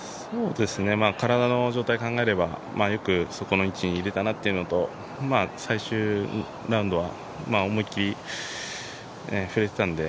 体の状態を考えればよくそこの位置にいれたなというのと最終ラウンドは思い切り振れていたんで。